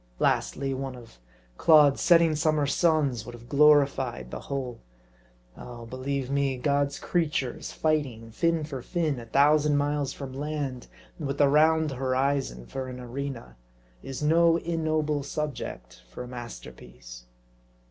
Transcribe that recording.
Lastly, one of Claude's setting summer suns would have glorified the whole. Oh, believe me, God's creatures fighting, fin for fin, a thousand miles from land, and with the round horizon for an arena, is no ignoble subject for a masterpiece.